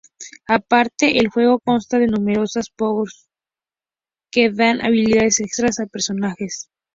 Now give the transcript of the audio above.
Aparte, el juego consta de numerosos power-ups que dan habilidades extras a los personajes.